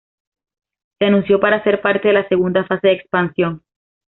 Se anunció para ser parte de la "segunda fase" de expansión.